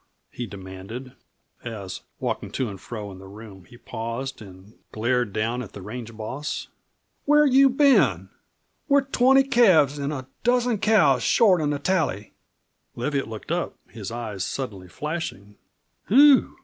he demanded, as, walking to and fro in the room, he paused and glared down at the range boss. "Where you been? We're twenty calves an' a dozen cows short on the tally!" Leviatt looked up, his eyes suddenly flashing. "Whew!"